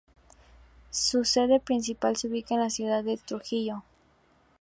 Su sede principal se ubica en la ciudad de Trujillo.